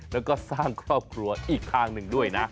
แล้วก็สร้างครอบครัวอีกทางหนึ่งด้วยนะ